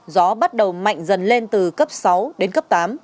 gió bắt đầu mạnh dần lên từ cấp sáu đến cấp tám